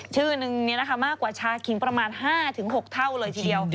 ชื่อนึงมากกว่าชาขิงประมาณ๕๖เท่าเลยทีเดียว